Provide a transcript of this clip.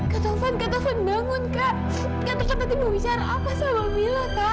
kak tufan kak tufan bangun kak kak tufan tadi mau bicara apa sama milah kak